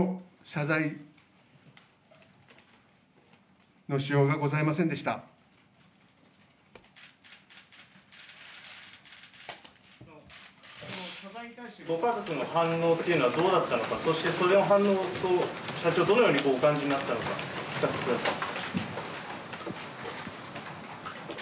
謝罪に対して、ご家族の反応というのはどうだったのか、そしてその反応を社長、どのようにお感じになったのか、聞かせてください。